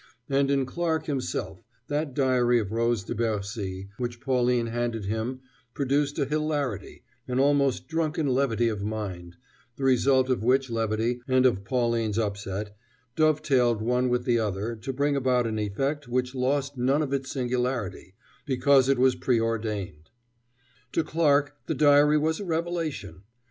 And in Clarke himself that diary of Rose de Bercy which Pauline handed him produced a hilarity, an almost drunken levity of mind, the results of which levity and of Pauline's upset dovetailed one with the other to bring about an effect which lost none of its singularity because it was preordained. To Clarke the diary was a revelation!